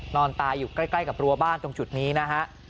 นอนตายอยู่ใกล้กับรัวบ้านตรงจุดนี้นะฮะ